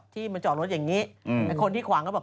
ที่มาจอดรถอย่างนี้ไอ้คนที่ขวางก็บอก